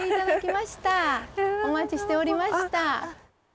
お待ちしておりました。